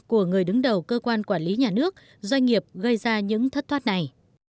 của người đứng đầu cơ quan quản lý nhà nước doanh nghiệp gây ra những thất thoát này